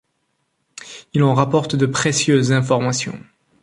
Il en rapporte de précieuses informations.